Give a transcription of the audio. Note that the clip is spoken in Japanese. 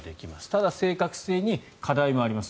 ただ、正確性に課題もあります。